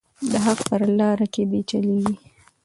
د حق په لاره کې دې چلیږي.